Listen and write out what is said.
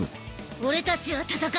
俺たちは戦える！